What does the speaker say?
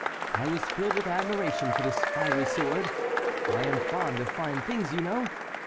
I was filled with admiration for this fiery sword. I am fond of fine things, you know!